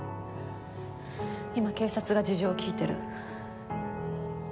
今警察が事情を聞いてる。